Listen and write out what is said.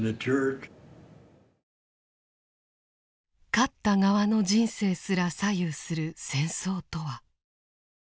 勝った側の人生すら左右する戦争とは。